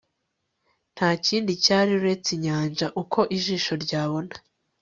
nta kindi cyari uretse inyanja uko ijisho ryabona